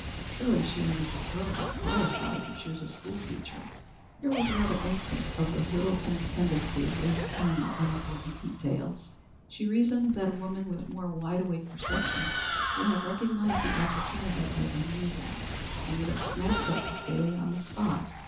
Surely she and Mrs. Earle were qualified to choose a school teacher. Here was another instance of the Littleton tendency to waste time on unimportant details. She reasoned that a woman with more wide awake perceptions would have recognized the opportunity as unusual, and would have snapped up Miss Bailey on the spot.